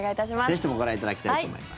ぜひともご覧いただきたいと思います。